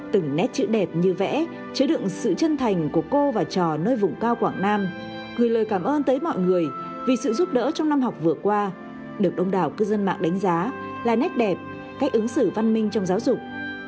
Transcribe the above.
từng nét chữ đẹp như vẽ chứa đựng sự chân thành của cô và trò nơi vùng cao quảng nam gửi lời cảm ơn tới mọi người vì sự giúp đỡ trong năm học vừa qua được đông đảo cư dân mạng đánh giá là nét đẹp cách ứng xử văn minh trong giáo dục